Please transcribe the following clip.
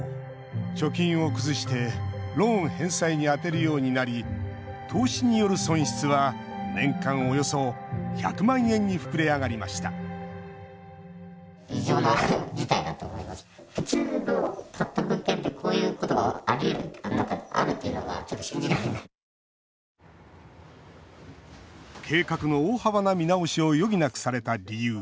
貯金を崩してローン返済に充てるようになり投資による損失は年間およそ１００万円に膨れ上がりました計画の大幅な見直しを余儀なくされた理由